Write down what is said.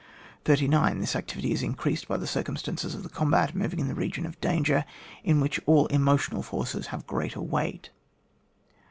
39. This activity is increased by the circumstance of the combat moving in the region of danger, in which all emo tional forces have greater weight.